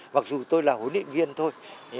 mặc dù tôi là huấn luyện viên thôi